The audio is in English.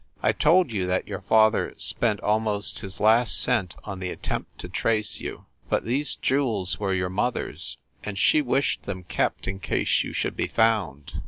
"I told you that your father spent almost his last cent on the attempt to trace you, but these jewels were your mother s, and she wished them kept in case you should be found.